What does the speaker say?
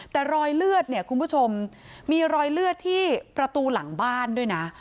แต่รอยเลือดเนี่ยคุณผู้ชมมีรอยเลือดที่ประตูหลังบ้านด้วยนะ